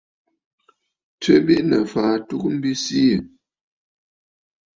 Tswe biʼinə̀ fàa ɨtugə mbi siì.